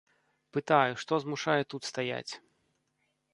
Пытаю, што змушае тут стаяць.